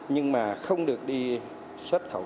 nhưng mà không được đi xuất khẩu